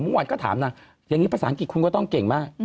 เมื่อวานก็ถามนางอย่างนี้ภาษาอังกฤษคุณก็ต้องเก่งมาก